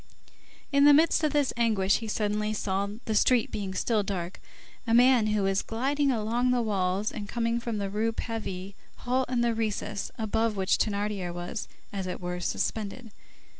In the midst of this anguish, he suddenly saw, the street being still dark, a man who was gliding along the walls and coming from the Rue Pavée, halt in the recess above which Thénardier was, as it were, suspended.